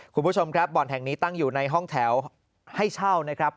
คุณผู้ชมครับบ่อนแห่งนี้ตั้งอยู่ในห้องแถวให้เช่านะครับ